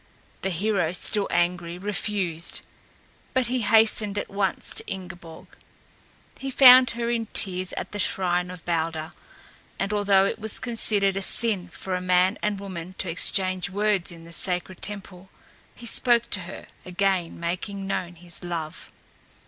The hero, still angry, refused; but he hastened at once to Ingeborg. He found her in tears at the shrine of Balder, and although it was considered a sin for a man and woman to exchange words in the sacred temple, he spoke to her, again making known his love.